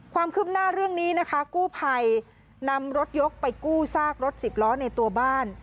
ความคืบหน้าเรื่องนี้นะคะกู้ภัยนำรถยกไปกู้ซากรถสิบล้อในตัวบ้าน